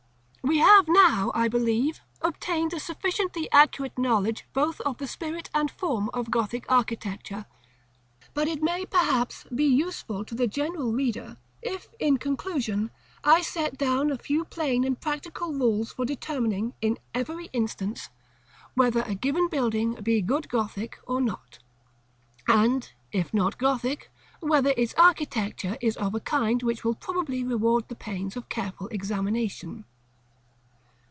§ CVI. We have now, I believe, obtained a sufficiently accurate knowledge both of the spirit and form of Gothic architecture; but it may, perhaps, be useful to the general reader, if, in conclusion, I set down a few plain and practical rules for determining, in every instance, whether a given building be good Gothic or not, and, if not Gothic, whether its architecture is of a kind which will probably reward the pains of careful examination.